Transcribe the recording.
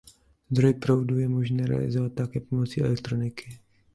Zdroj proudu je možné realizovat také pomocí elektroniky.